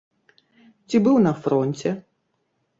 Ці быў на фронце?